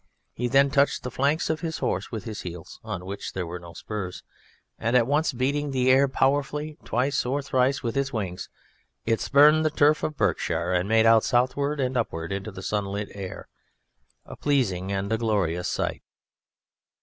He then touched the flanks of his horse with his heels (on which there were no spurs) and at once beating the air powerfully twice or thrice with its wings it spurned the turf of Berkshire and made out southward and upward into the sunlit air, a pleasing and a glorious sight.